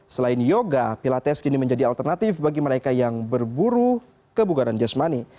selain yoga pilates kini menjadi alternatif bagi mereka yang berburu kebugaran jasmani